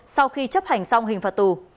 sau khi chấp hành xong hình phạt tù